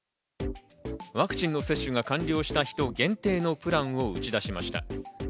ワクチンの接種が完了した人限定のプランを打ち出しました。